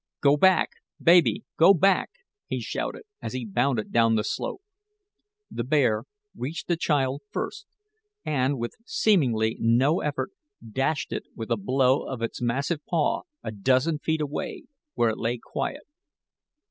"Go back, baby, go back," he shouted, as he bounded down the slope. The bear reached the child first, and with seemingly no effort, dashed it, with a blow of its massive paw, a dozen feet away, where it lay quiet.